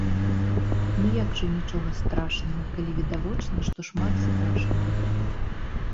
Ну як жа нічога страшнага, калі відавочна, што шмат страшнага!